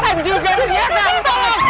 setan juga ternyata tolong